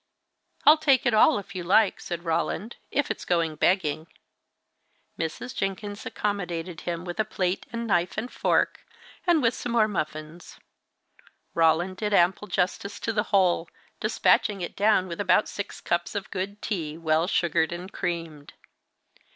"I'll take it all, if you like," said Roland. "If it's going begging." Mrs. Jenkins accommodated him with a plate and knife and fork, and with some more muffins. Roland did ample justice to the whole, despatching it down with about six cups of good tea, well sugared and creamed.